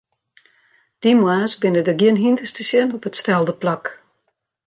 Dy moarns binne der gjin hynders te sjen op it stelde plak.